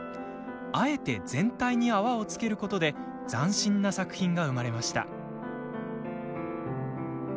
あえて全体に泡をつけることで斬新な作品が生まれました。